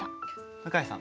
向井さん